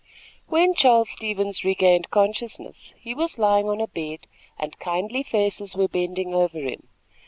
When Charles Stevens regained consciousness, he was lying on a bed, and kindly faces were bending over him.